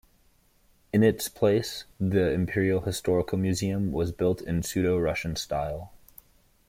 In its place the Imperial Historical Museum was built in pseudo-Russian style.